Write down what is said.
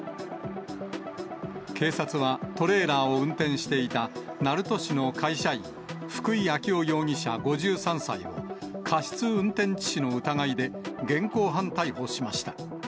警察は、トレーラーを運転していた鳴門市の会社員、福井暁生容疑者５３歳を、過失運転致死の疑いで現行犯逮捕しました。